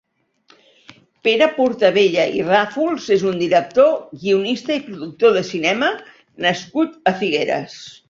Pere Portabella i Ràfols és un director, guionista i productor de cinema nascut a Figueres.